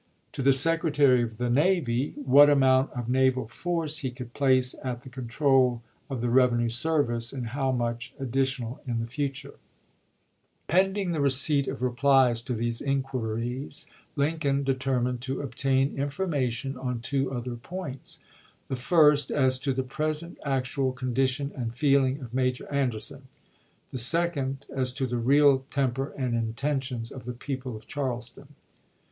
To the Secretary of the Navy, what amount of naval force he could place at the con trol of the revenue service, and how much ad ditional in the future ?. THE QUESTION OF SUMTEE 389 Pending the receipt of replies to these inquiries, ch. xxiii. Lincoln determined to obtain information on two other points — the first, as to the present actual con dition and feeling of Major Anderson; the second, as to the real temper and intentions of the people of Charleston.